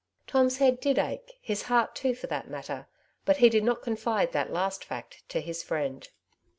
^' Tom's head did ache, his heart too for that matter, but he did not confide that last fact to his friend.